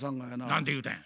何て言うたんや？